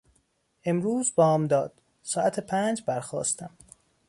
امروز بامداد، ساعت پنج برخاستم.